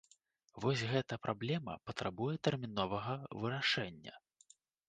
Вось гэта праблема патрабуе тэрміновага вырашэння.